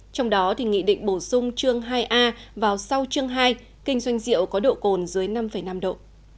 trong đó thì nghị định bổ sung chương hai a vào sau chương hai kinh doanh rượu có độ cồn dưới năm năm độ